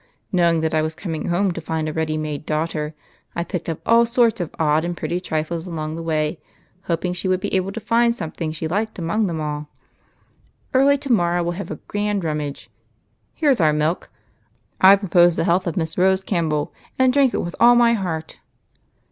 Knowing that I was coming home to find a ready made daughter, I picked up all sorts of odd and pretty trifles along the way, hoping she would be able to find something she liked among them all. Early to morrow we '11 have a grand rum mage. Here 's our milk ! I propose the health of Miss Rose Campbell — and drink it with all my heart."